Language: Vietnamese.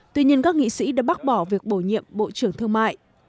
tuy nhiên các nghị sĩ đã bác bỏ việc bổ nhiệm bộ trưởng thương mại